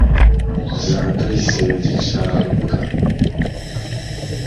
za ndahise ya gica-mbwa,